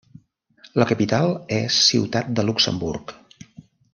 La capital és Ciutat de Luxemburg.